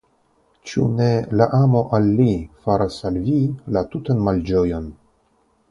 Ĉu ne la amo al li faras al vi la tutan malĝojon?